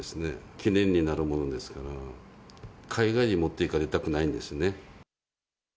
記念になるものですから、海外に持っていかれたくないんですね。